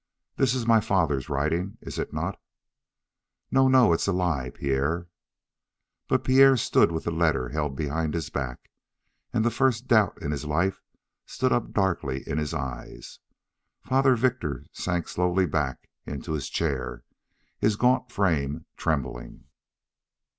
"This is my father's writing, is it not?" "No, no! It's a lie, Pierre!" But Pierre stood with the letter held behind his back, and the first doubt in his life stood up darkly in his eyes. Father Victor sank slowly back into his chair, his gaunt frame trembling.